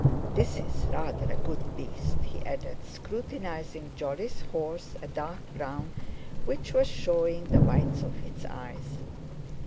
This is rather a good beast," he added, scrutinising Jolly's horse, a dark brown, which was showing the whites of its eyes.